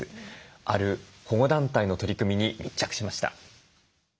ある保護団体の取り組みに密着しました。